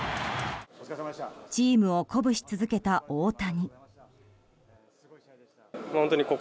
チームを鼓舞し続けた大谷。